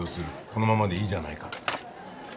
このままでいいじゃないかと。